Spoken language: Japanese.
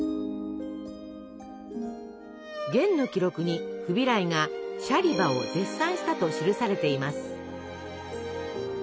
元の記録にフビライが「シャリバ」を絶賛したと記されています。